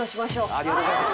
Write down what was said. ありがとうございます。